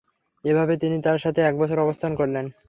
এভাবে তিনি তাঁর সাথে এক বছর অবস্থান করলেন।